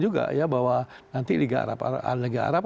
juga bahwa nanti liga arab